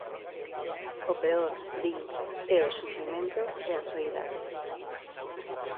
O peor, din, é o sufrimento e a soidade.